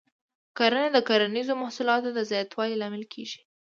کرنه د کرنیزو محصولاتو د زیاتوالي لامل کېږي.